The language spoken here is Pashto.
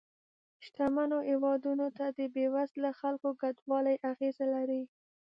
شتمنو هېوادونو ته د بې وزله خلکو کډوالۍ اغیزه لري